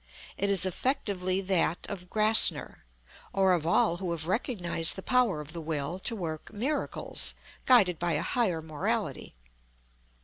It is effectively that of GRASSNER, or of all who have recognized the power of the Will to work "miracles," guided by a higher morality.